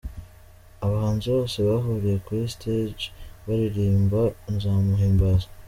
Abahanzi bose bahuriye kuri stage baririmba 'Nzamuhimbaza'.